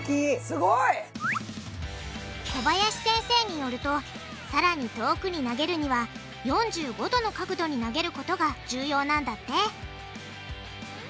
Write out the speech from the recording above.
すごい！小林先生によるとさらに遠くに投げるには４５°の角度に投げることが重要なんだって